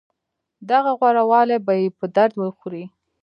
دغه غوره والی به يې په درد وخوري.